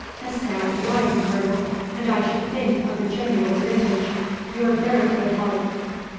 "A sound wine, Colonel, and I should think of a genuine vintage. Your very good health."